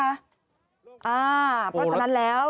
เพราะฉะนั้นแล้ว